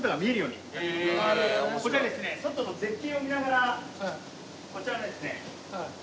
こちらですね外の絶景を見ながらこちらですね。